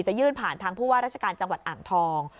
ยื่นผ่านทางผู้ว่าราชการจังหวัดอ่างทอง